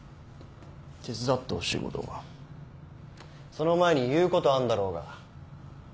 その前に言うことあんだろうが。